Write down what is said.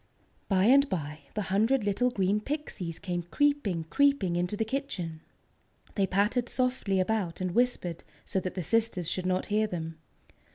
By and by, the hundred little green Pixies came creeping, creeping into the kitchen. They pattered softly about and whispered so that the sisters should not hear them.